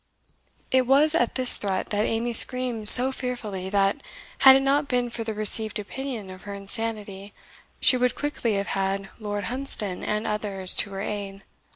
It was at this threat that Amy screamed so fearfully that, had it not been for the received opinion of her insanity, she would quickly have had Lord Hunsdon and others to her aid.